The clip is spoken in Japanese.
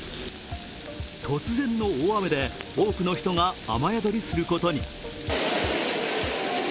突然の大雨で多くの人が雨宿りすることに。